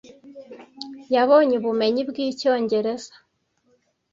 Yabonye ubumenyi bw'icyongereza.